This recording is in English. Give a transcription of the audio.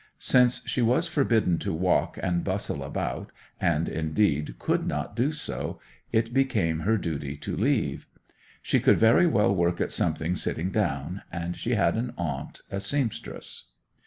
Since she was forbidden to walk and bustle about, and, indeed, could not do so, it became her duty to leave. She could very well work at something sitting down, and she had an aunt a seamstress.